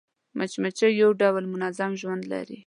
مچمچۍ یو ډېر منظم ژوند لري